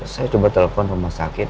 saya coba telpon rumah sakit